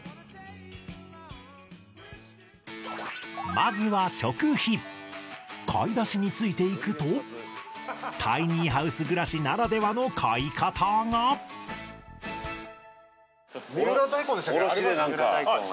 まずは食費買い出しについていくとタイニーハウス暮らしならではの買い方が買いましょうよ。